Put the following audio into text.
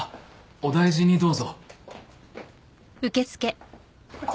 お大事にどうぞ。